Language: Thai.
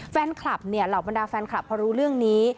แฟนคลับเนี่ยเหล่าบรรดาแฟนคลับพอรู้เรื่องนี้